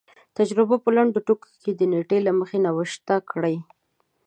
تجربه په لنډو ټکو کې د نېټې له مخې نوشته کړي.